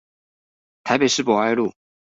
台北市博愛路